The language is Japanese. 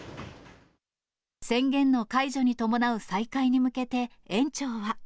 宣言の解除に伴う再開に向けて、園長は。